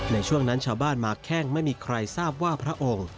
ในช่วงนั้นชาวบ้านมาแข้งไม่มีใครทราบว่าพระองค์